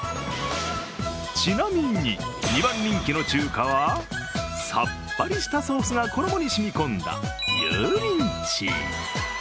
ちなみに２番人気の中華はさっぱりしたソースが衣に染み込んだ油淋鶏。